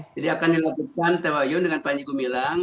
jadi akan dilakukan tewa yun dengan panji gumilang